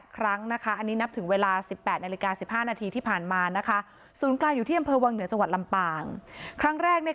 ครั้งนะคะอันนี้นับถึงเวลา๑๘นาฬิกา๑๕นาทีที่ผ่านมานะคะศูนย์กลางอยู่ที่อำเภอวังเหนือจังหวัดลำปางครั้งแรกใน